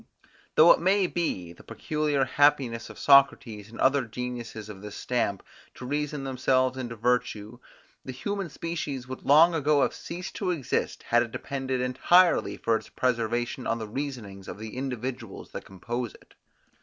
Though it may be the peculiar happiness of Socrates and other geniuses of his stamp, to reason themselves into virtue, the human species would long ago have ceased to exist, had it depended entirely for its preservation on the reasonings of the individuals that compose it.